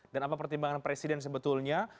dan apa pertimbangan presiden sebetulnya